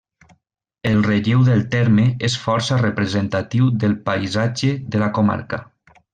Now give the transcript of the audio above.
El relleu del terme és força representatiu del paisatge de la comarca.